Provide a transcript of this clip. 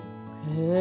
へえ。